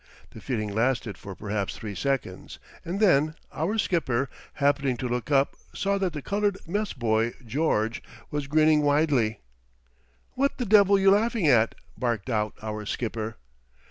The feeling lasted for perhaps three seconds, and then our skipper, happening to look up, saw that the colored mess boy George was grinning widely. "What the devil you laughing at?" barked out our skipper.